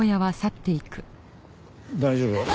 大丈夫？